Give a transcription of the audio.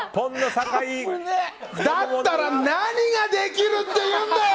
だったら何ができるっていうんだよ！